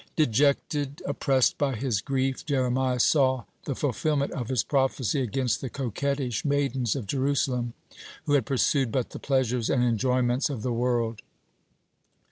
(44) Dejected, oppressed by his grief, Jeremiah saw the fulfilment of his prophecy against the coquettish maidens of Jerusalem, who had pursued but the pleasures and enjoyments of the world.